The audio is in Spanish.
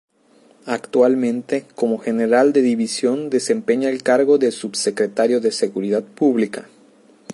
Actualmente como General de Division, desempeña el cargo de Subsecretario de Seguridad Pública.